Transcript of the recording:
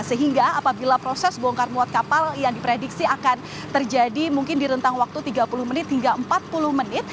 sehingga apabila proses bongkar muat kapal yang diprediksi akan terjadi mungkin di rentang waktu tiga puluh menit hingga empat puluh menit